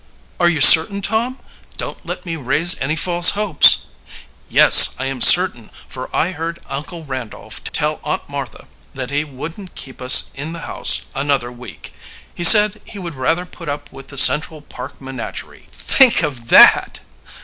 "Are you certain, Tom? Don't let me raise any false hopes." "Yes, I am certain, for I heard Uncle Randolph tell Aunt Martha that he wouldn't keep us in the house another week. He said he would rather put up with the Central Park menagerie think of that!"